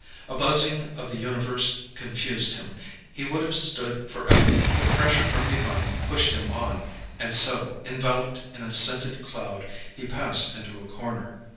A buzzing of the universe confused him: he would have stood forever, but pressure from behind pushed him on; and so, enveloped in a scented cloud, he passed into a corner.